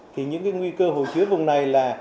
thì những cái nguy cơ hồ chứa vùng này là